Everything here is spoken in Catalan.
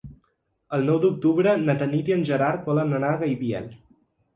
El nou d'octubre na Tanit i en Gerard volen anar a Gaibiel.